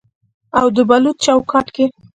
او د بلوط چوکاټ کې